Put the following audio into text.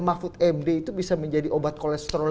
mahfud md itu bisa menjadi obat kolesterol